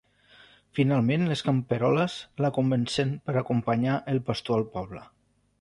Finalment les camperoles la convencen per acompanyar el pastor al poble.